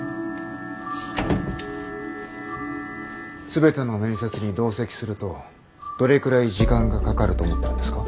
全ての面接に同席するとどれくらい時間がかかると思ってるんですか？